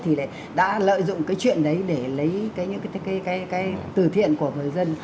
thì lại đã lợi dụng cái chuyện đấy để lấy những cái từ thiện của người dân